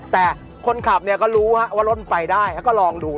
แต่คนขับเนี่ยก็รู้ว่ารถมันไปได้แล้วก็ลองดู